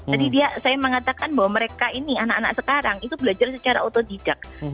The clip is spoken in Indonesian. jadi saya mengatakan bahwa mereka ini anak anak sekarang itu belajar secara otodidak